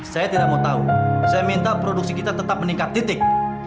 saya tidak mau tahu saya minta produksi kita tetap meningkat titik